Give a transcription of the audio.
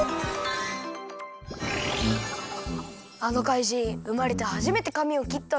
あのかいじんうまれてはじめてかみをきったのか。